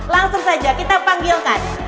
langsung saja kita panggilkan